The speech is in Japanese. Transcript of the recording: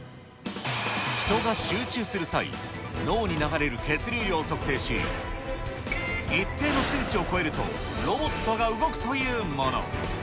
人が集中する際、脳に流れる血流量を測定し、一定の数値を超えると、ロボットが動くというもの。